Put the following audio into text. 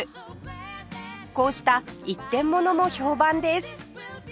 こうした一点ものも評判です